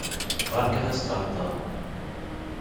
Berkat asṭerṭer!